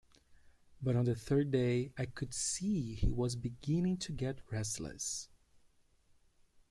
But on the third day I could see he was beginning to get restless.